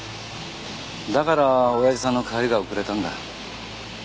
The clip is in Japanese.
だから親父さんの帰りが遅れたんだ。